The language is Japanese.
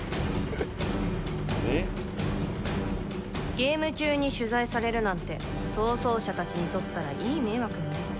ゲーム中に取材されるなんて逃走者たちにとったらいい迷惑ね。